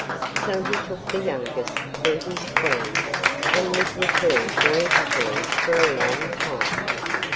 So he took the youngest for his Queen, and lived with her very happily for a long time.